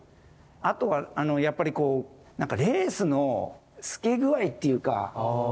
あとはやっぱりこうレースの透け具合っていうか